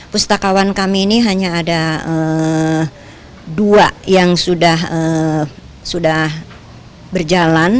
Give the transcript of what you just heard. pustakawan kami ini hanya ada dua yang sudah berjalan